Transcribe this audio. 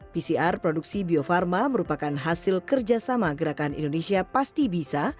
pcr produksi bio farma merupakan hasil kerjasama gerakan indonesia pasti bisa